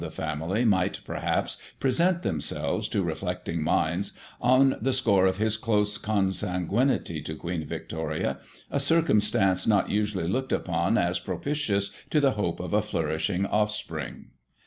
[1840 the family might, perhaps, present themselves to reflecting minds, on the score of his close consanguinity to Queen Vic toria, a circumstance not usually looked upon as propitious to the hope of a flourishing offspring.